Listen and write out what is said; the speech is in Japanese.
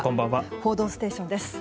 「報道ステーション」です。